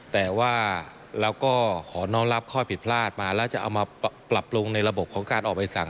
แต่ว่าเราก็ขอน้องรับข้อผิดพลาดมาแล้วจะเอามาปรับปรุงในระบบของการออกใบสั่ง